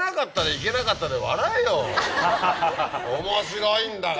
面白いんだから。